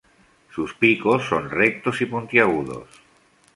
Sus picos son rectos y puntiagudos.